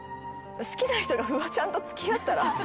好きな人がフワちゃんと付き合ったら。